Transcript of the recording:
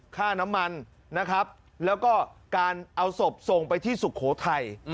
ค่าน้ำมันและการเอาสบส่งไปที่ศุโขทัย